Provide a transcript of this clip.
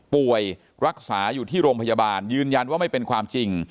รักษาอยู่ที่โรงพยาบาลยืนยันว่าไม่เป็นความจริง